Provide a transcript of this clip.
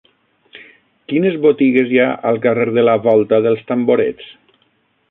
Quines botigues hi ha al carrer de la Volta dels Tamborets?